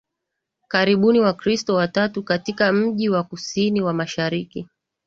karibuni Wakristo watatu katika mji wa kusini wa mashariki